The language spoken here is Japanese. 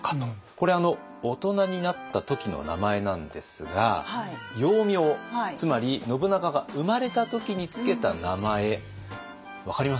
これは大人になった時の名前なんですが幼名つまり信長が生まれた時に付けた名前分かります？